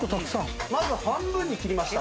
まず半分に切りました。